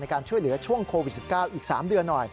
การช่วยเหลือช่วงโควิด๑๙อีก๓เดือนหน่อย